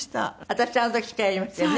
私あの時司会やりましたよね。